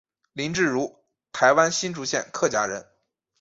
林志儒台湾新竹县客家人。